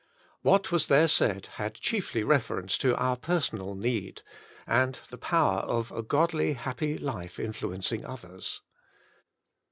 What was there said had chiefly reference to our personal need, and the power of a godly happy life influencing others.